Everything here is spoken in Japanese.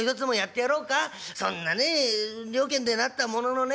そんなね了見でなったもののね